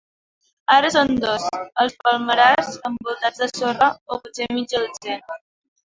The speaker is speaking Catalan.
Ara són dos, els palmerars envoltats de sorra, o potser mitja dotzena.